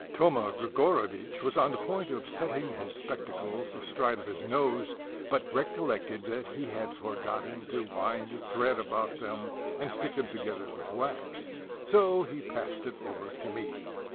Thoma Grigorovitch was on the point of setting his spectacles astride of his nose, but recollected that he had forgotten to wind thread about them, and stick them together with wax, so he passed it over to me.